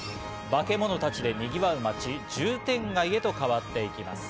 バケモノたちでにぎわう街・渋天街へと変わっていきます。